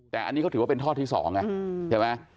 แต่อันนี้ก็ถือว่าเป็นทอดที่๒อ่ะเห็นไหม